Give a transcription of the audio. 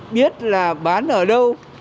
biết là bán ở đâu